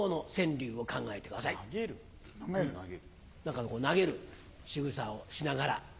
何か投げるしぐさをしながら。